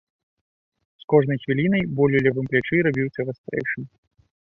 З кожнай хвілінай боль у левым плячы рабіўся вастрэйшым.